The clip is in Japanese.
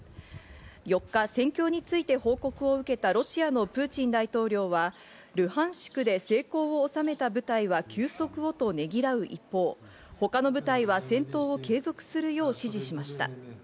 ４日、戦況について報告を受けたロシアのプーチン大統領は、ルハンシクで成功を収めた部隊は休息をとねぎらう一方、他の部隊は戦闘を継続するよう指示しました。